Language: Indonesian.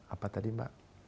apa tadi mbak